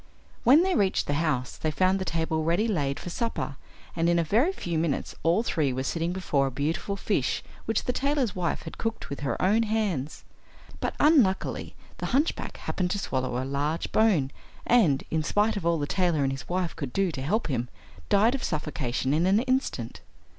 When they reached the house they found the table ready laid for supper, and in a very few minutes all three were sitting before a beautiful fish which the tailor's wife had cooked with her own hands. But unluckily, the hunchback happened to swallow a large bone, and, in spite of all the tailor and his wife could do to help him, died of suffocation in an instant.